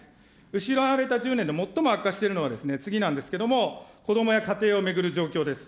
失われた１０年で最も悪化しているのは次なんですけれども、子どもや家庭を巡る状況です。